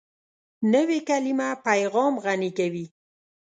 نوې کلیمه پیغام غني کوي